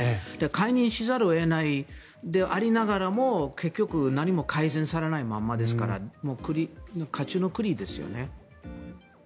解任せざるを得ないでありながらも結局、何も改善されないままですから火中の栗ですよね。